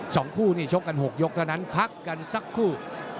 สองคู่นี่ชกกันหกยกเท่านั้นพักกันสักครู่